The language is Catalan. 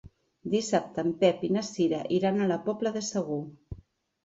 Dissabte en Pep i na Cira iran a la Pobla de Segur.